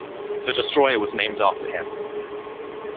The destroyer was named after him.